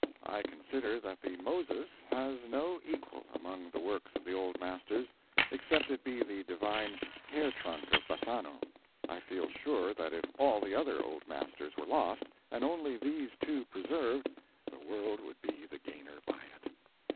I consider that the "Moses" has no equal among the works of the Old Masters, except it be the divine Hair Trunk of Bassano. I feel sure that if all the other Old Masters were lost and only these two preserved, the world would be the gainer by it.